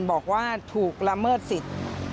บอกว่าถูกละเมิดสิทธิ์